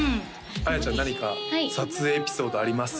あやちゃん何か撮影エピソードあります？